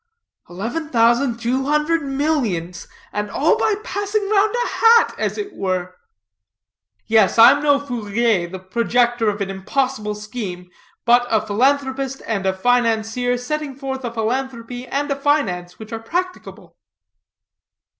"Eleven thousand two hundred millions! And all by passing round a hat, as it were." "Yes, I am no Fourier, the projector of an impossible scheme, but a philanthropist and a financier setting forth a philanthropy and a finance which are practicable."